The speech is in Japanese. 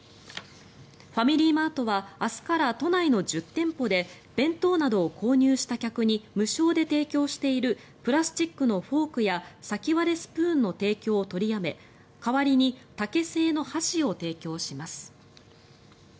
ファミリーマートは明日から都内の１０店舗で弁当などを購入した客に無償で提供しているプラスチックのフォークや先割れスプーンの提供を取りやめ代わりに竹製の箸を提供します。